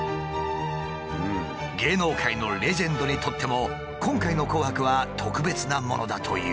芸能界のレジェンドにとっても今回の「紅白」は特別なものだという。